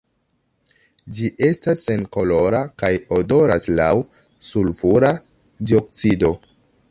Ĝi estas senkolora kaj odoras laŭ sulfura dioksido.